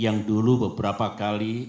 yang dulu beberapa kali